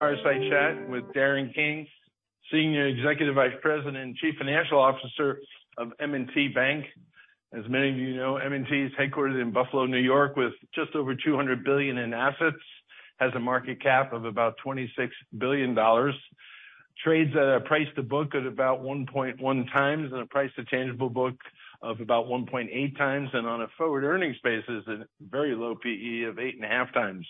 RBC Chat with Darren King, Senior Executive Vice President and Chief Financial Officer of M&T Bank. As many of you know, M&T is headquartered in Buffalo, New York, with just over $200 billion in assets, has a market cap of about $26 billion, trades at a price to book at about 1.1 times, and a price to tangible book of about 1.8 times, and on a forward earnings basis, a very low P/E of 8.5 times.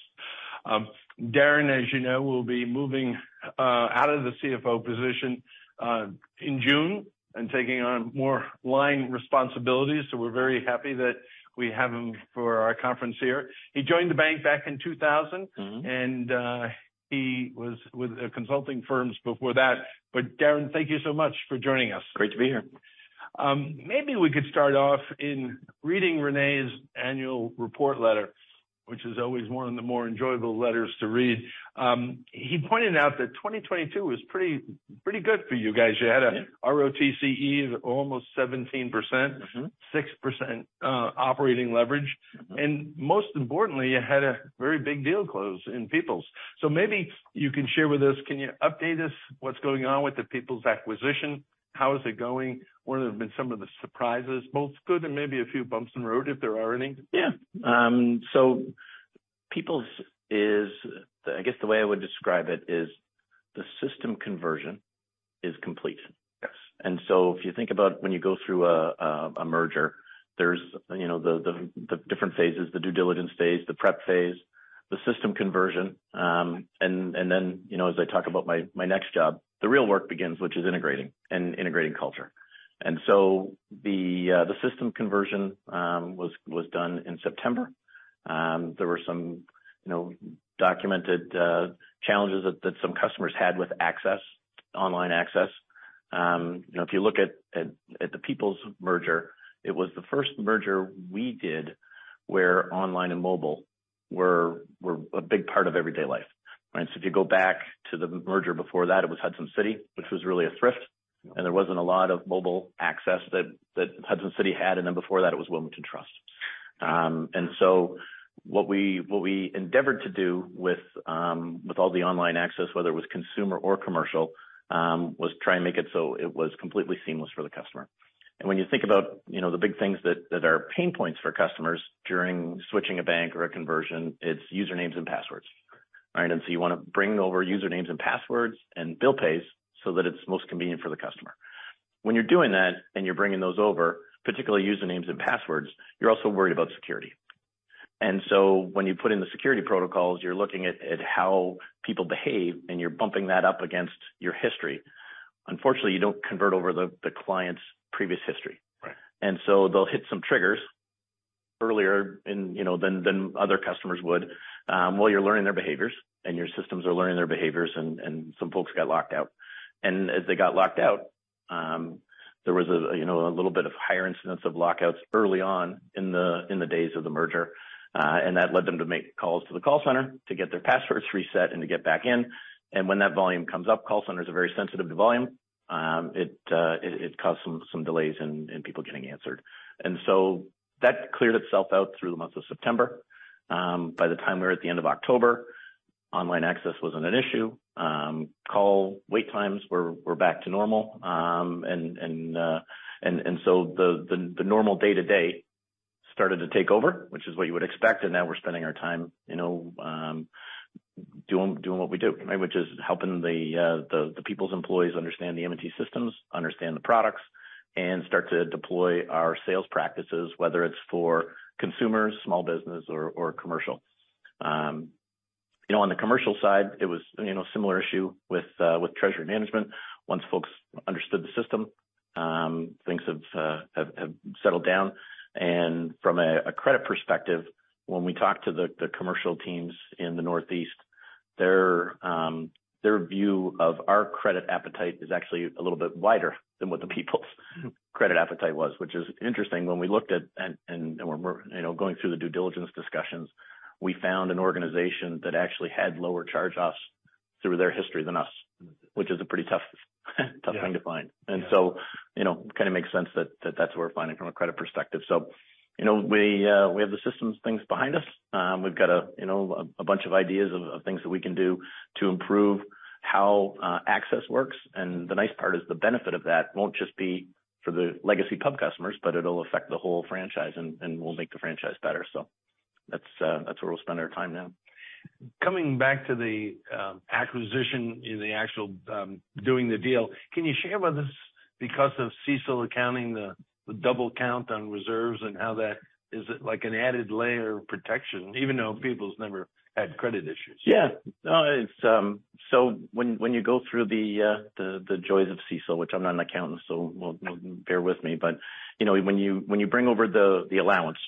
Darren, as you know, will be moving out of the CFO position in June and taking on more line responsibilities, so we're very happy that we have him for our conference here. He joined the bank back in 2000, and he was with the consulting firms before that, but Darren, thank you so much for joining us. Great to be here. Maybe we could start off by reading René's annual report letter, which is always one of the more enjoyable letters to read. He pointed out that 2022 was pretty good for you guys. You had an ROTCE of almost 17%, 6% operating leverage, and most importantly, you had a very big deal close in People's. So maybe you can share with us, can you update us what's going on with the People's acquisition? How is it going? What have been some of the surprises, both good and maybe a few bumps in the road if there are any? Yeah. So People's is, I guess the way I would describe it, the system conversion is complete. And so if you think about when you go through a merger, there's the different phases, the due diligence phase, the prep phase, the system conversion, and then as I talk about my next job, the real work begins, which is integrating and integrating culture. And so the system conversion was done in September. There were some documented challenges that some customers had with access, online access. If you look at the People's merger, it was the first merger we did where online and mobile were a big part of everyday life. So if you go back to the merger before that, it was Hudson City, which was really a thrift, and there wasn't a lot of mobile access that Hudson City had, and then before that, it was Wilmington Trust. And so what we endeavored to do with all the online access, whether it was consumer or commercial, was try and make it so it was completely seamless for the customer. And when you think about the big things that are pain points for customers during switching a bank or a conversion, it's usernames and passwords. And so you want to bring over usernames and passwords and bill pays so that it's most convenient for the customer. When you're doing that and you're bringing those over, particularly usernames and passwords, you're also worried about security. And so when you put in the security protocols, you're looking at how people behave, and you're bumping that up against your history. Unfortunately, you don't convert over the client's previous history. And so they'll hit some triggers earlier than other customers would while you're learning their behaviors, and your systems are learning their behaviors, and some folks got locked out. And as they got locked out, there was a little bit of higher incidence of lockouts early on in the days of the merger, and that led them to make calls to the call center to get their passwords reset and to get back in. And when that volume comes up, call centers are very sensitive to volume. It caused some delays in people getting answered. And so that cleared itself out through the month of September. By the time we were at the end of October, online access wasn't an issue. Call wait times were back to normal, and so the normal day-to-day started to take over, which is what you would expect, and now we're spending our time doing what we do, which is helping the People's employees understand the M&T systems, understand the products, and start to deploy our sales practices, whether it's for consumers, small business, or commercial. On the commercial side, it was a similar issue with treasury management. Once folks understood the system, things have settled down. And from a credit perspective, when we talk to the commercial teams in the Northeast, their view of our credit appetite is actually a little bit wider than what the People's credit appetite was, which is interesting. When we looked at and were going through the due diligence discussions, we found an organization that actually had lower charge-offs through their history than us, which is a pretty tough thing to find. And so it kind of makes sense that that's what we're finding from a credit perspective. So we have the systems things behind us. We've got a bunch of ideas of things that we can do to improve how access works. And the nice part is the benefit of that won't just be for the legacy Pub customers, but it'll affect the whole franchise, and we'll make the franchise better. So that's where we'll spend our time now. Coming back to the acquisition, the actual doing the deal, can you share with us, because of CECL accounting, the double count on reserves and how that is like an added layer of protection, even though People's never had credit issues? Yeah. So when you go through the joys of CECL, which I'm not an accountant, so bear with me, but when you bring over the allowance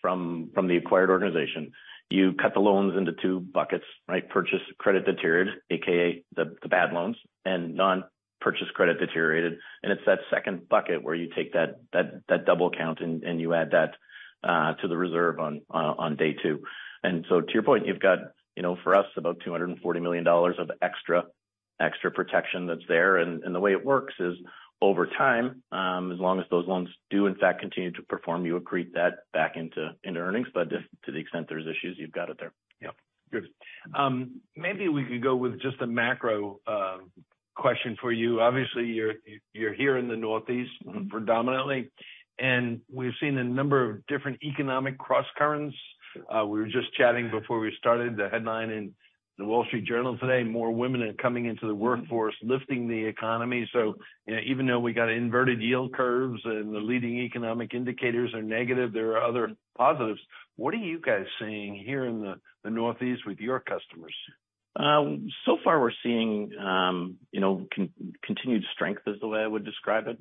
from the acquired organization, you cut the loans into two buckets, right? purchase credit deteriorated, a.k.a. the bad loans, and non-purchase credit deteriorated. And it's that second bucket where you take that double count and you add that to the reserve on day two. And so to your point, you've got, for us, about $240 million of extra protection that's there. And the way it works is over time, as long as those loans do in fact continue to perform, you accrete that back into earnings. But to the extent there's issues, you've got it there. Yeah. Good. Maybe we could go with just a macro question for you. Obviously, you're here in the Northeast predominantly, and we've seen a number of different economic cross currents. We were just chatting before we started the headline in the Wall Street Journal today, "More women are coming into the workforce, lifting the economy." So even though we got inverted yield curves and the leading economic indicators are negative, there are other positives. What are you guys seeing here in the Northeast with your customers? So far, we're seeing continued strength, is the way I would describe it.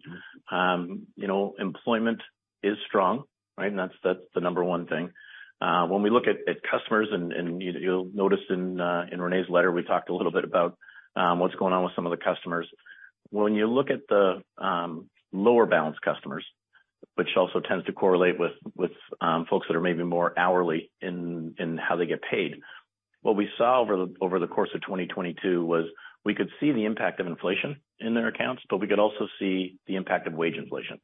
Employment is strong, right? That's the number one thing. When we look at customers, and you'll notice in René's letter, we talked a little bit about what's going on with some of the customers. When you look at the lower balance customers, which also tends to correlate with folks that are maybe more hourly in how they get paid, what we saw over the course of 2022 was we could see the impact of inflation in their accounts, but we could also see the impact of wage inflation.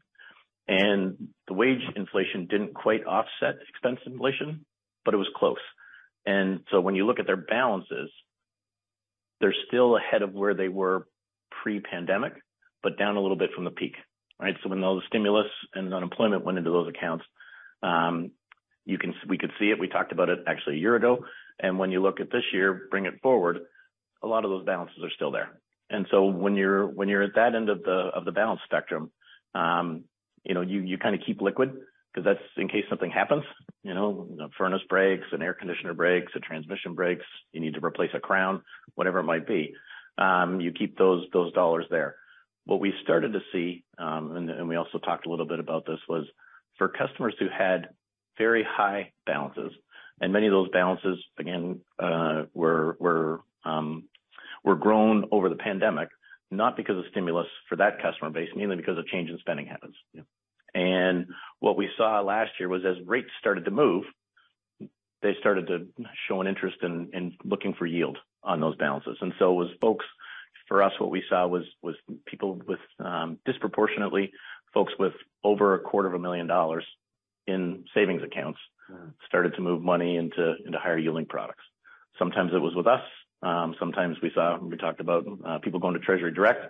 And the wage inflation didn't quite offset expense inflation, but it was close. And so when you look at their balances, they're still ahead of where they were pre-pandemic, but down a little bit from the peak, right? So when those stimulus and unemployment went into those accounts, we could see it. We talked about it actually a year ago. And when you look at this year, bring it forward, a lot of those balances are still there. And so when you're at that end of the balance spectrum, you kind of keep liquid because that's in case something happens. A furnace breaks, an air conditioner breaks, a transmission breaks, you need to replace a crown, whatever it might be. You keep those dollars there. What we started to see, and we also talked a little bit about this, was for customers who had very high balances, and many of those balances, again, were grown over the pandemic, not because of stimulus for that customer base, mainly because of change in spending habits. And what we saw last year was as rates started to move, they started to show an interest in looking for yield on those balances. And so, folks, for us, what we saw was people with, disproportionately, folks with over $250,000 in savings accounts started to move money into higher yielding products. Sometimes it was with us. Sometimes we talked about people going to TreasuryDirect,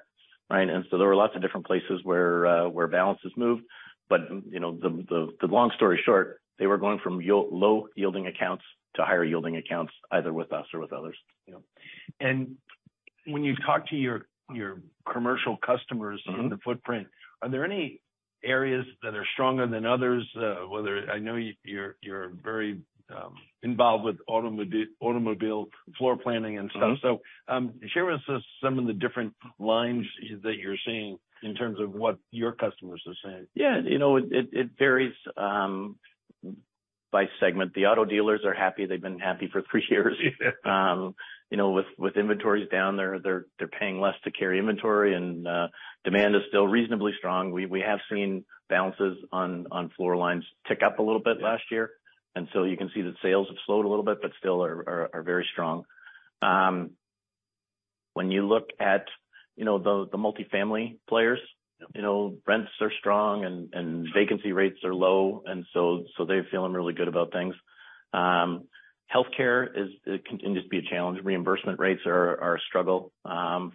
right? And so there were lots of different places where balances moved. But the long story short, they were going from low yielding accounts to higher yielding accounts, either with us or with others. And when you talk to your commercial customers in the footprint, are there any areas that are stronger than others? I know you're very involved with automobile floor planning and stuff. So share with us some of the different lines that you're seeing in terms of what your customers are saying. Yeah. It varies by segment. The auto dealers are happy. They've been happy for three years. With inventories down, they're paying less to carry inventory, and demand is still reasonably strong. We have seen balances on floor lines tick up a little bit last year. And so you can see that sales have slowed a little bit, but still are very strong. When you look at the multifamily players, rents are strong and vacancy rates are low, and so they're feeling really good about things. Healthcare can just be a challenge. Reimbursement rates are a struggle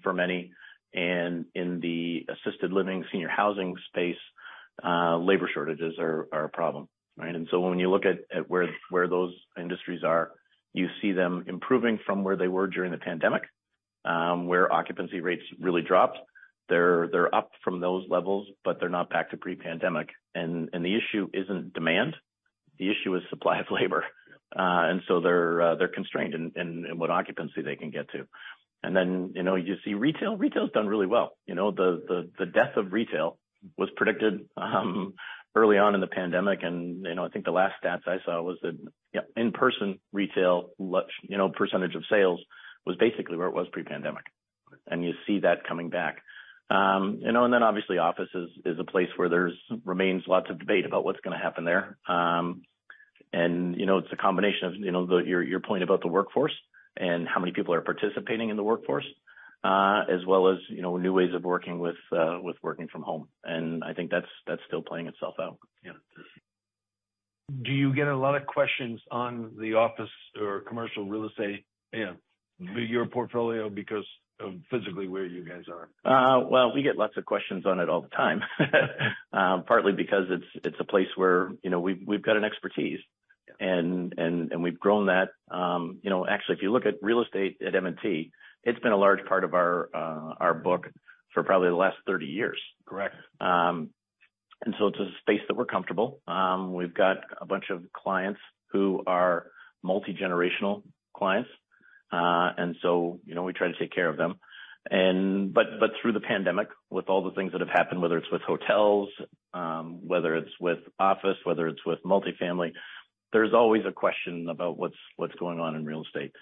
for many. And in the assisted living, senior housing space, labor shortages are a problem, right? And so when you look at where those industries are, you see them improving from where they were during the pandemic, where occupancy rates really dropped. They're up from those levels, but they're not back to pre-pandemic. And the issue isn't demand. The issue is supply of labor. And so they're constrained in what occupancy they can get to. And then you see retail. Retail's done really well. The death of retail was predicted early on in the pandemic, and I think the last stats I saw was that in-person retail percentage of sales was basically where it was pre-pandemic. And you see that coming back. And then obviously, office is a place where there remains lots of debate about what's going to happen there. And it's a combination of your point about the workforce and how many people are participating in the workforce, as well as new ways of working from home. And I think that's still playing itself out. Do you get a lot of questions on the office or commercial real estate, your portfolio, because of physically where you guys are? We get lots of questions on it all the time, partly because it's a place where we've got an expertise, and we've grown that. Actually, if you look at real estate at M&T, it's been a large part of our book for probably the last 30 years. Correct. It's a space that we're comfortable with. We've got a bunch of clients who are multi-generational clients. And so we try to take care of them. But through the pandemic, with all the things that have happened, whether it's with hotels, whether it's with office, whether it's with multifamily, there's always a question about what's going on in real estate.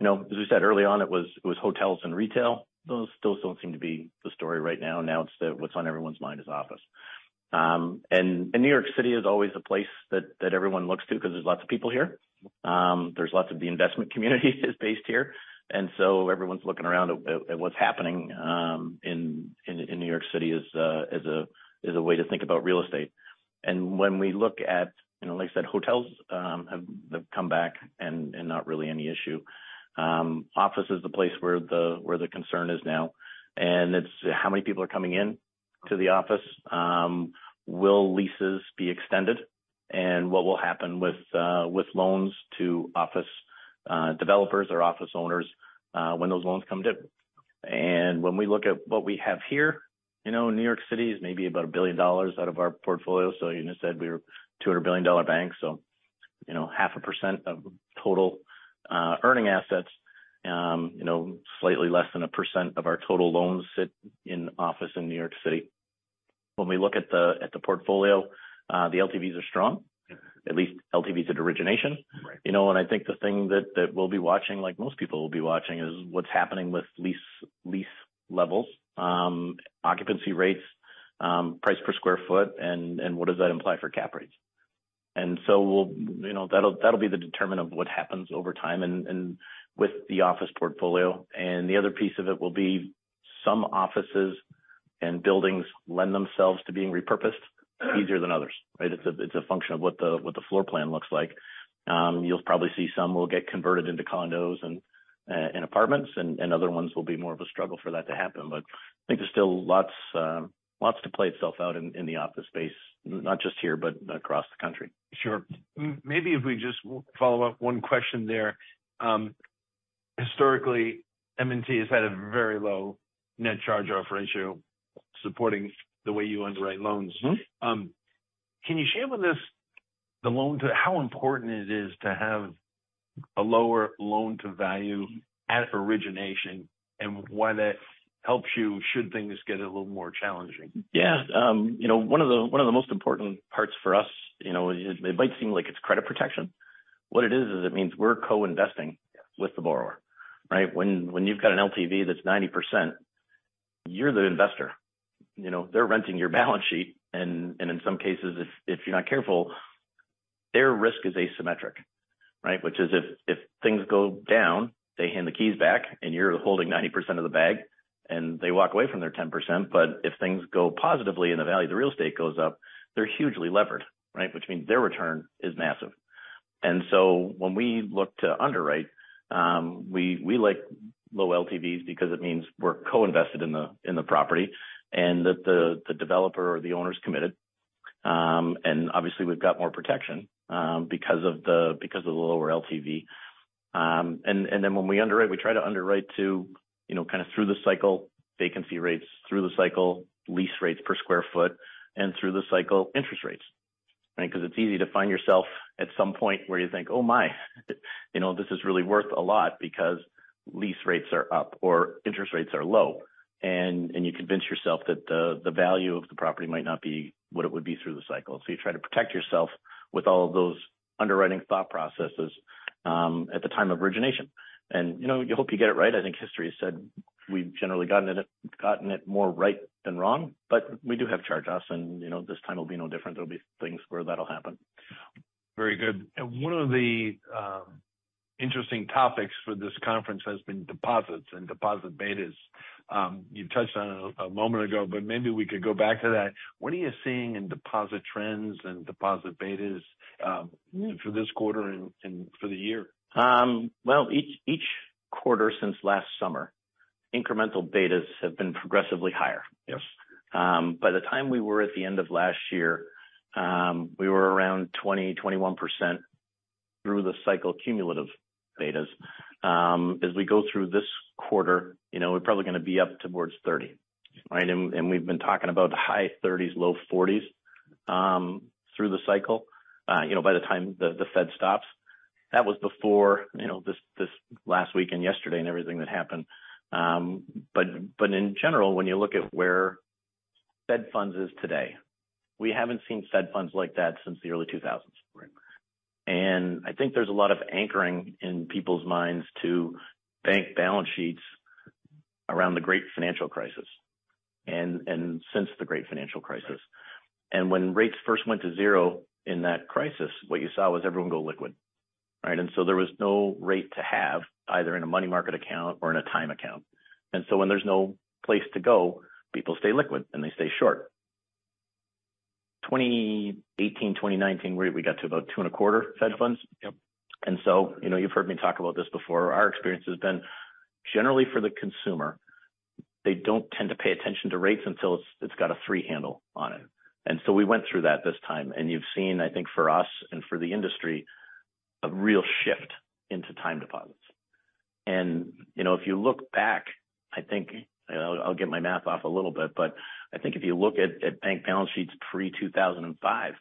And as we said early on, it was hotels and retail. Those don't seem to be the story right now. Now what's on everyone's mind is office. And New York City is always the place that everyone looks to because there's lots of people here. There's lots of the investment community based here. And so everyone's looking around at what's happening in New York City as a way to think about real estate. When we look at, like I said, hotels have come back and not really any issue. Office is the place where the concern is now. It's how many people are coming into the office. Will leases be extended? What will happen with loans to office developers or office owners when those loans come due? When we look at what we have here, New York City is maybe about $1 billion out of our portfolio. You said we're a $200 billion bank, so 0.5% of total earning assets, slightly less than 1% of our total loans sit in office in New York City. When we look at the portfolio, the LTVs are strong, at least LTVs at origination. And I think the thing that we'll be watching, like most people will be watching, is what's happening with lease levels, occupancy rates, price per square foot, and what does that imply for cap rates. And so that'll be the determinant of what happens over time and with the office portfolio. And the other piece of it will be some offices and buildings lend themselves to being repurposed easier than others, right? It's a function of what the floor plan looks like. You'll probably see some will get converted into condos and apartments, and other ones will be more of a struggle for that to happen. But I think there's still lots to play itself out in the office space, not just here, but across the country. Sure. Maybe if we just follow up on one question there. Historically, M&T has had a very low net charge-off ratio supporting the way you underwrite loans. Can you share with us how important it is to have a lower loan-to-value at origination and why that helps you should things get a little more challenging? Yeah. One of the most important parts for us, it might seem like it's credit protection. What it is is it means we're co-investing with the borrower, right? When you've got an LTV that's 90%, you're the investor. They're renting your balance sheet, and in some cases, if you're not careful, their risk is asymmetric, right? Which is if things go down, they hand the keys back, and you're holding 90% of the bag, and they walk away from their 10%, but if things go positively and the value of the real estate goes up, they're hugely levered, right? Which means their return is massive, and so when we look to underwrite, we like low LTVs because it means we're co-invested in the property and that the developer or the owner is committed. And obviously, we've got more protection because of the lower LTV. And then when we underwrite, we try to underwrite to kind of through the cycle, vacancy rates, through the cycle, lease rates per sq ft, and through the cycle, interest rates, right? Because it's easy to find yourself at some point where you think, "Oh my, this is really worth a lot because lease rates are up or interest rates are low." And you convince yourself that the value of the property might not be what it would be through the cycle. So you try to protect yourself with all of those underwriting thought processes at the time of origination. And you hope you get it right. I think history has said we've generally gotten it more right than wrong, but we do have charge-offs, and this time will be no different. There'll be things where that'll happen. Very good. And one of the interesting topics for this conference has been deposits and deposit betas. You touched on it a moment ago, but maybe we could go back to that. What are you seeing in deposit trends and deposit betas for this quarter and for the year? Each quarter since last summer, incremental betas have been progressively higher. By the time we were at the end of last year, we were around 20-21% through the cycle cumulative betas. As we go through this quarter, we're probably going to be up towards 30%, right? And we've been talking about high 30s-low 40s through the cycle by the time the Fed stops. That was before this last week and yesterday and everything that happened. But in general, when you look at where Fed funds is today, we haven't seen Fed funds like that since the early 2000s. And I think there's a lot of anchoring in people's minds to bank balance sheets around the great financial crisis and since the great financial crisis. And when rates first went to zero in that crisis, what you saw was everyone go liquid, right? And so there was no rate to have either in a money market account or in a time account. And so when there's no place to go, people stay liquid and they stay short. 2018, 2019, we got to about two and a quarter Fed funds. And so you've heard me talk about this before. Our experience has been generally for the consumer, they don't tend to pay attention to rates until it's got a three handle on it. And so we went through that this time. And you've seen, I think for us and for the industry, a real shift into time deposits. And if you look back, I think I'll get my math off a little bit, but I think if you look at bank balance sheets pre-2005,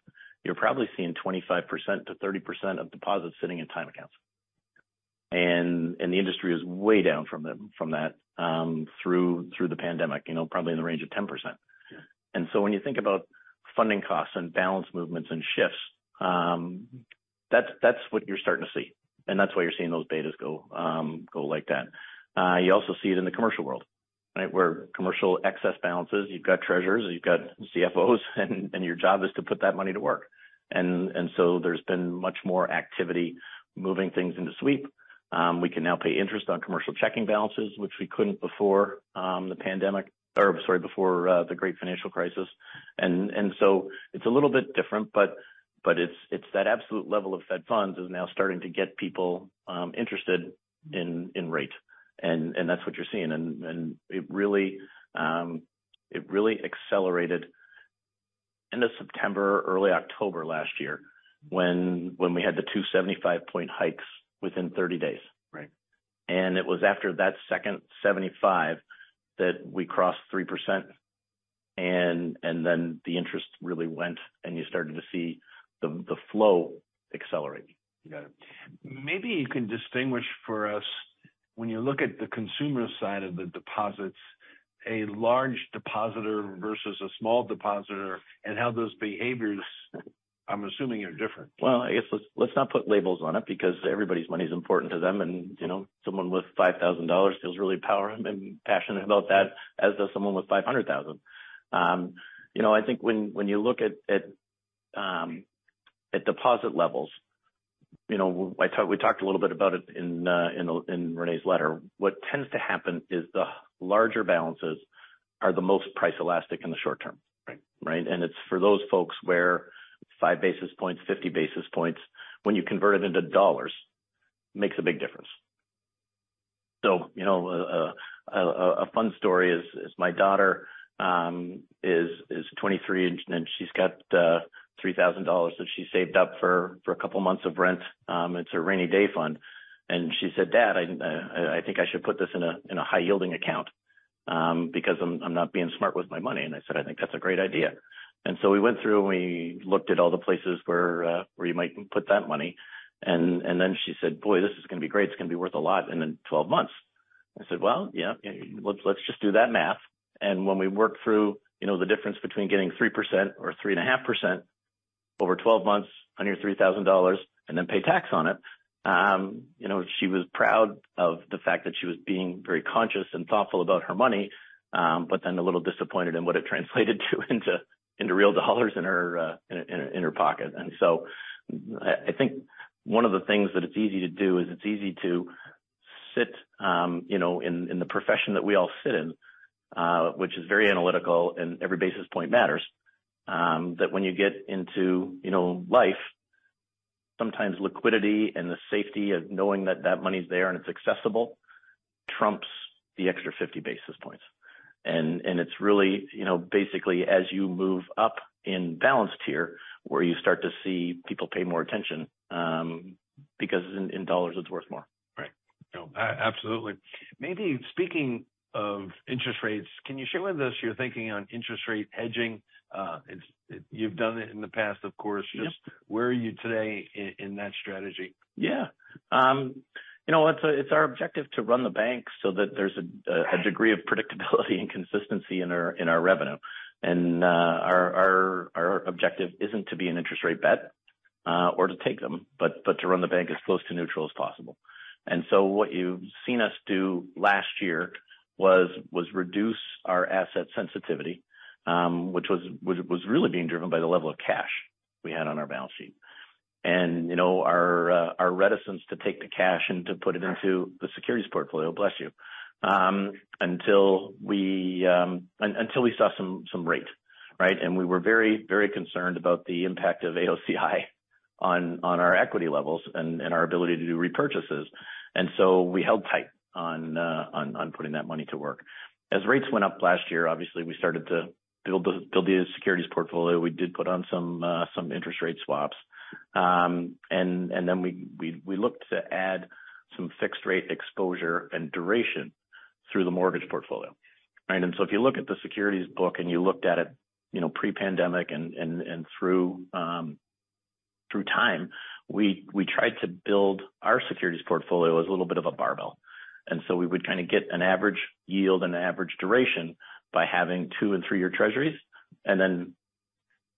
you're probably seeing 25%-30% of deposits sitting in time accounts. And the industry is way down from that through the pandemic, probably in the range of 10%. And so when you think about funding costs and balance movements and shifts, that's what you're starting to see. And that's why you're seeing those betas go like that. You also see it in the commercial world, right? Where commercial excess balances, you've got treasurers, you've got CFOs, and your job is to put that money to work. And so there's been much more activity moving things into sweep. We can now pay interest on commercial checking balances, which we couldn't before the pandemic or sorry, before the great financial crisis. And so it's a little bit different, but it's that absolute level of Fed funds is now starting to get people interested in rate. And that's what you're seeing. It really accelerated end of September, early October last year when we had the 275-point hikes within 30 days. And it was after that second 75 that we crossed 3%. And then the interest really went and you started to see the flow accelerate. Got it. Maybe you can distinguish for us when you look at the consumer side of the deposits, a large depositor versus a small depositor and how those behaviors, I'm assuming are different. Well, I guess let's not put labels on it because everybody's money is important to them. And someone with $5,000 feels really powerful and passionate about that, as does someone with $500,000. I think when you look at deposit levels, we talked a little bit about it in René's letter. What tends to happen is the larger balances are the most price elastic in the short term, right? And it's for those folks where 5 basis points, 50 basis points, when you convert it into dollars, makes a big difference. So a fun story is my daughter is 23 and she's got $3,000 that she saved up for a couple of months of rent. It's a rainy day fund. She said, "Dad, I think I should put this in a high-yielding account because I'm not being smart with my money." I said, "I think that's a great idea." So we went through and we looked at all the places where you might put that money. Then she said, "Boy, this is going to be great. It's going to be worth a lot in 12 months." I said, "Well, yeah, let's just do that math." When we worked through the difference between getting 3% or 3.5% over 12 months on your $3,000 and then pay tax on it, she was proud of the fact that she was being very conscious and thoughtful about her money, but then a little disappointed in what it translated into real dollars in her pocket. And so I think one of the things that it's easy to do is it's easy to sit in the profession that we all sit in, which is very analytical and every basis point matters, that when you get into life, sometimes liquidity and the safety of knowing that that money's there and it's accessible trumps the extra 50 basis points. And it's really basically as you move up in balance tier where you start to see people pay more attention because in dollars, it's worth more. Right. Absolutely. Maybe speaking of interest rates, can you share with us your thinking on interest rate hedging? You've done it in the past, of course. Just where are you today in that strategy? Yeah. You know what? It's our objective to run the bank so that there's a degree of predictability and consistency in our revenue. And our objective isn't to be an interest rate bet or to take them, but to run the bank as close to neutral as possible. And so what you've seen us do last year was reduce our asset sensitivity, which was really being driven by the level of cash we had on our balance sheet. And our reticence to take the cash and to put it into the securities portfolio, bless you, until we saw some rate, right? And we were very, very concerned about the impact of AOCI on our equity levels and our ability to do repurchases. And so we held tight on putting that money to work. As rates went up last year, obviously, we started to build the securities portfolio. We did put on some interest rate swaps, and then we looked to add some fixed rate exposure and duration through the mortgage portfolio, right, so if you look at the securities book and you looked at it pre-pandemic and through time, we tried to build our securities portfolio as a little bit of a barbell, and so we would kind of get an average yield and an average duration by having two and three-year treasuries and then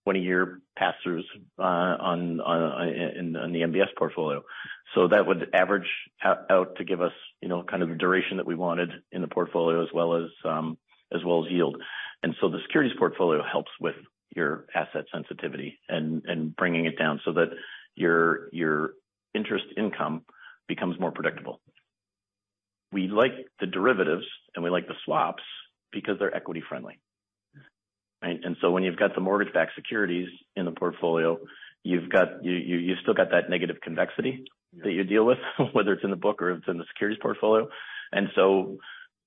one-year pass-throughs in the MBS portfolio, so that would average out to give us kind of the duration that we wanted in the portfolio as well as yield, and so the securities portfolio helps with your asset sensitivity and bringing it down so that your interest income becomes more predictable. We like the derivatives and we like the swaps because they're equity-friendly, right? And so when you've got the mortgage-backed securities in the portfolio, you've still got that negative convexity that you deal with, whether it's in the book or it's in the securities portfolio. And so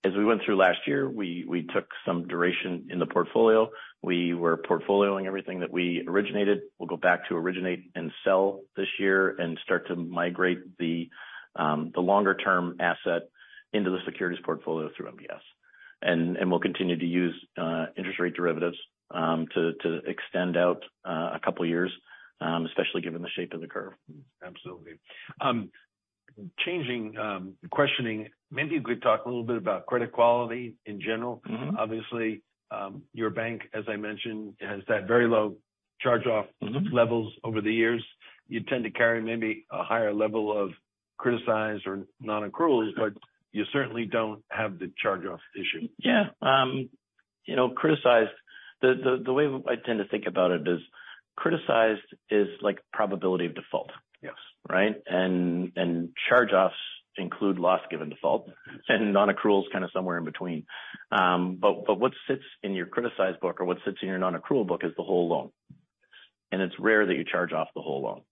as we went through last year, we took some duration in the portfolio. We were portfolioing everything that we originated. We'll go back to originate and sell this year and start to migrate the longer-term asset into the securities portfolio through MBS. And we'll continue to use interest rate derivatives to extend out a couple of years, especially given the shape of the curve. Absolutely. Changing questioning, maybe you could talk a little bit about credit quality in general. Obviously, your bank, as I mentioned, has had very low charge-off levels over the years. You tend to carry maybe a higher level of criticized or non-accruals, but you certainly don't have the charge-off issue. Yeah. Criticized, the way I tend to think about it is criticized is like probability of default, right? And charge-offs include loss given default and non-accruals kind of somewhere in between. But what sits in your criticized book or what sits in your non-accrual book is the whole loan. And it's rare that you charge off the whole loan,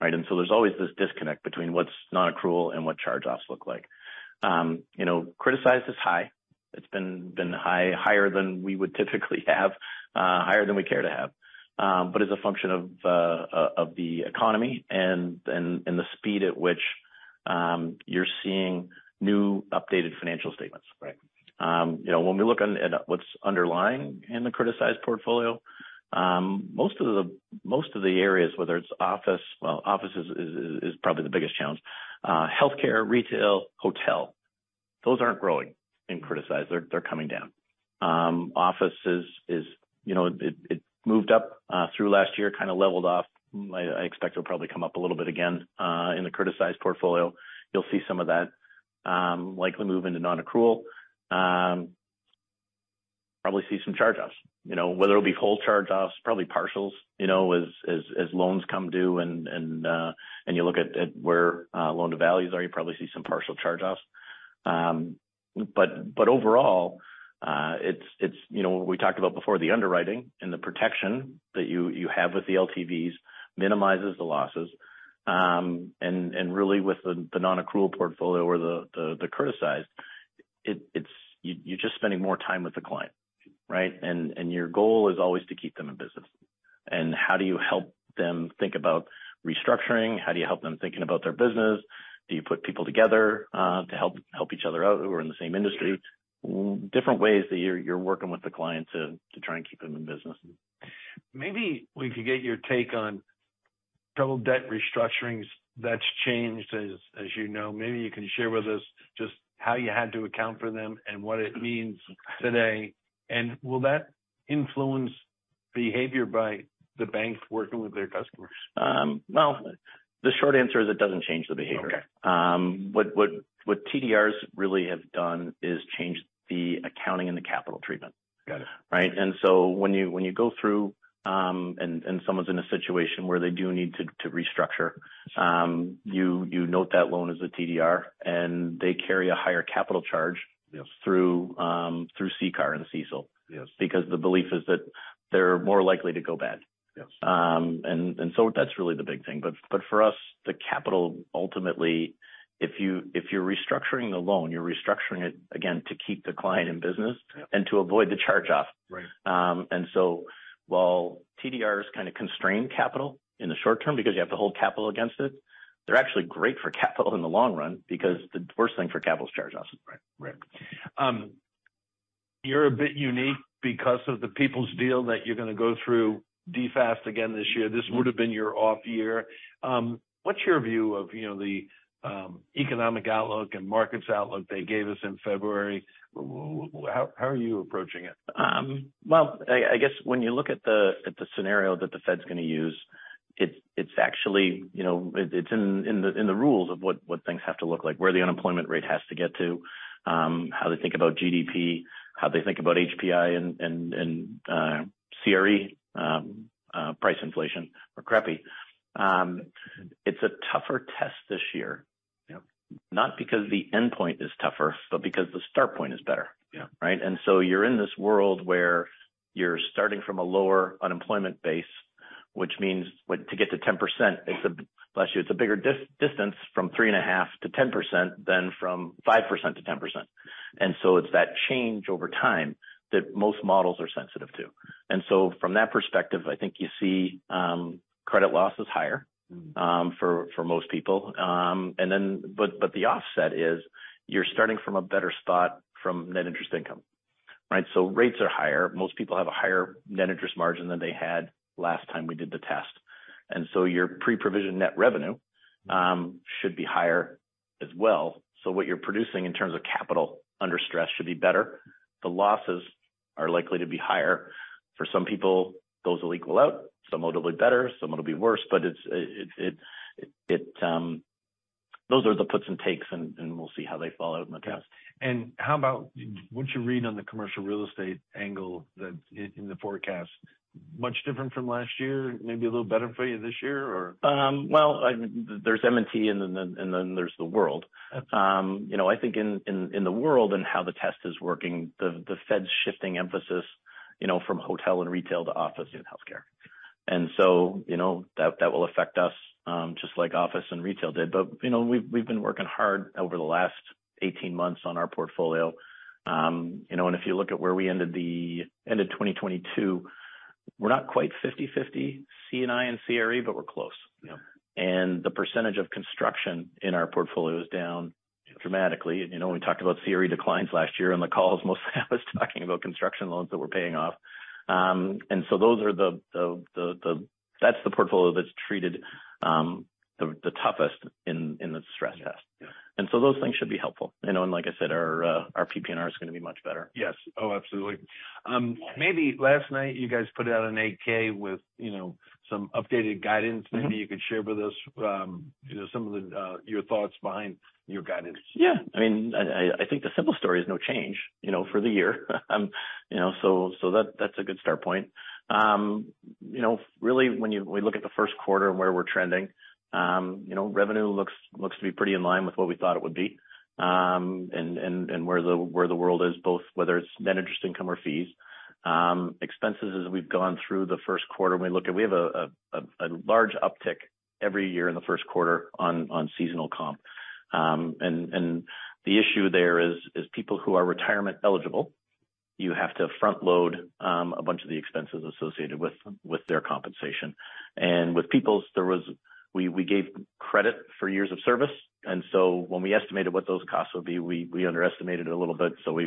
right? And so there's always this disconnect between what's non-accrual and what charge-offs look like. Criticized is high. It's been higher than we would typically have, higher than we care to have, but it's a function of the economy and the speed at which you're seeing new updated financial statements. When we look at what's underlying in the criticized portfolio, most of the areas, whether it's office, well, office is probably the biggest challenge. Healthcare, retail, hotel, those aren't growing in criticized. They're coming down. Office is moved up through last year, kind of leveled off. I expect it'll probably come up a little bit again in the criticized portfolio. You'll see some of that likely move into non-accrual. Probably see some charge-offs, whether it'll be full charge-offs, probably partials as loans come due and you look at where loan-to-values are, you probably see some partial charge-offs, but overall, it's what we talked about before, the underwriting and the protection that you have with the LTVs minimizes the losses, and really, with the non-accrual portfolio or the criticized, you're just spending more time with the client, right, and your goal is always to keep them in business, and how do you help them think about restructuring? How do you help them thinking about their business? Do you put people together to help each other out who are in the same industry? Different ways that you're working with the client to try and keep them in business. Maybe we could get your take on troubled debt restructurings that's changed, as you know. Maybe you can share with us just how you had to account for them and what it means today. And will that influence behavior by the bank working with their customers? The short answer is it doesn't change the behavior. What TDRs really have done is change the accounting and the capital treatment, right? And so when you go through and someone's in a situation where they do need to restructure, you note that loan as a TDR and they carry a higher capital charge through CCAR and SCB because the belief is that they're more likely to go bad. And so that's really the big thing. But for us, the capital ultimately, if you're restructuring the loan, you're restructuring it again to keep the client in business and to avoid the charge-off. And so while TDRs kind of constrain capital in the short term because you have to hold capital against it, they're actually great for capital in the long run because the worst thing for capital is charge-offs. Right. You're a bit unique because of the People's Deal that you're going to go through DFAST again this year. This would have been your off-year. What's your view of the economic outlook and markets outlook they gave us in February? How are you approaching it? I guess when you look at the scenario that the Fed's going to use, it's actually in the rules of what things have to look like, where the unemployment rate has to get to, how they think about GDP, how they think about HPI and CRE, price inflation, or CREPI. It's a tougher test this year, not because the endpoint is tougher, but because the start point is better, right? And so you're in this world where you're starting from a lower unemployment base, which means to get to 10%, it's a bigger distance from 3.5%-10% than from 5%-10%. And so it's that change over time that most models are sensitive to. And so from that perspective, I think you see credit loss is higher for most people. But the offset is you're starting from a better spot from net interest income, right? So rates are higher. Most people have a higher net interest margin than they had last time we did the test. And so your pre-provision net revenue should be higher as well. So what you're producing in terms of capital under stress should be better. The losses are likely to be higher. For some people, those will equal out. Some of them will be better. Some of them will be worse. But those are the puts and takes, and we'll see how they fall out in the past. And how about what you read on the commercial real estate angle in the forecast? Much different from last year? Maybe a little better for you this year, or? There's M&T and then there's the world. I think in the world and how the test is working, the Fed's shifting emphasis from hotel and retail to office and healthcare. And so that will affect us just like office and retail did. But we've been working hard over the last 18 months on our portfolio. And if you look at where we ended 2022, we're not quite 50/50 C&I and CRE, but we're close. And the percentage of construction in our portfolio is down dramatically. We talked about CRE declines last year on the calls. Most of that was talking about construction loans that we're paying off. And so those are the, that's the portfolio that's treated the toughest in the stress test. And so those things should be helpful. And like I said, our PPNR is going to be much better. Yes. Oh, absolutely. Maybe last night you guys put out an 8-K with some updated guidance. Maybe you could share with us some of your thoughts behind your guidance. Yeah. I mean, I think the simple story is no change for the year. So that's a good start point. Really, when we look at the Q1 and where we're trending, revenue looks to be pretty in line with what we thought it would be and where the world is, both whether it's net interest income or fees. Expenses, as we've gone through the Q1, when we look at, we have a large uptick every year in the Q1 on seasonal comp. And the issue there is people who are retirement eligible, you have to front-load a bunch of the expenses associated with their compensation. And with People's, we gave credit for years of service. And so when we estimated what those costs would be, we underestimated it a little bit. So we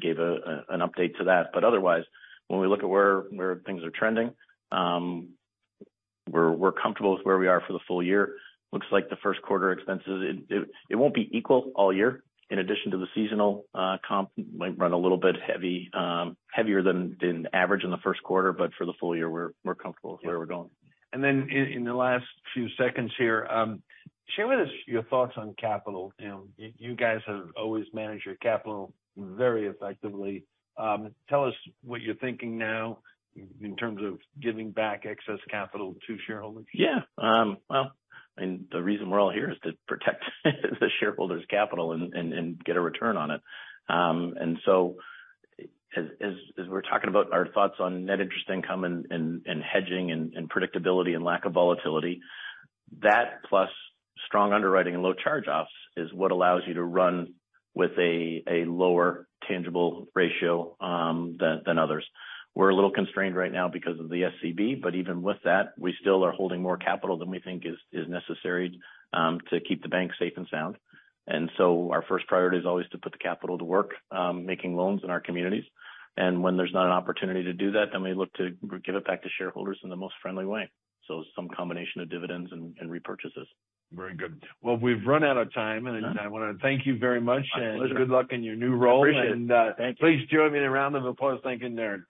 gave an update to that. But otherwise, when we look at where things are trending, we're comfortable with where we are for the full year. Looks like the Q1 expenses. It won't be equal all year. In addition to the seasonal comp, might run a little bit heavier than average in the Q1, but for the full year, we're comfortable with where we're going. Then in the last few seconds here, share with us your thoughts on capital. You guys have always managed your capital very effectively. Tell us what you're thinking now in terms of giving back excess capital to shareholders. Yeah. Well, I mean, the reason we're all here is to protect the shareholders' capital and get a return on it. And so as we're talking about our thoughts on net interest income and hedging and predictability and lack of volatility, that plus strong underwriting and low charge-offs is what allows you to run with a lower tangible ratio than others. We're a little constrained right now because of the SCB, but even with that, we still are holding more capital than we think is necessary to keep the bank safe and sound. And so our first priority is always to put the capital to work, making loans in our communities. And when there's not an opportunity to do that, then we look to give it back to shareholders in the most friendly way. So some combination of dividends and repurchases. Very good. Well, we've run out of time, and I want to thank you very much and good luck in your new role. I appreciate it. Thank you. Please join me in a round of applause thanking Darren.